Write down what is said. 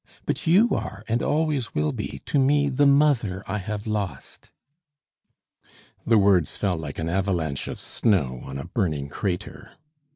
But you are, and always will be, to me the mother I have lost." The words fell like an avalanche of snow on a burning crater.